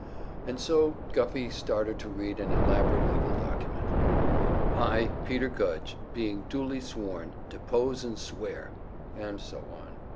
And so Guffey started to read an elaborate legal document: "I, Peter Gudge, being duly sworn do depose and declare " and so on.